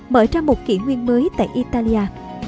mở ra một kỷ nguyên mới tại italia